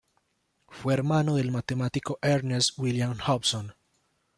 Fue hermano del matemático Ernest William Hobson.